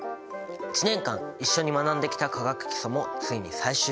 １年間一緒に学んできた「化学基礎」もついに最終回。